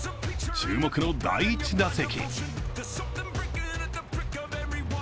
注目の第１打席。